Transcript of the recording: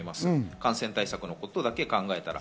感染対策のことだけを考えたら。